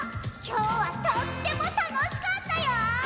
きょうはとってもたのしかったよ！